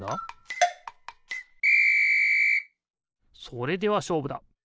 それではしょうぶだ。